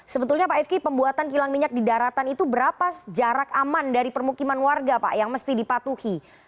sebetulnya pak fki pembuatan kilang minyak di daratan itu berapa jarak aman dari permukiman warga pak yang mesti dipatuhi